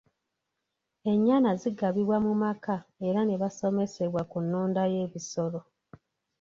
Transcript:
Ennyana zigabibwa mu maka era ne basomesebwa ku nnunda y'ebisolo.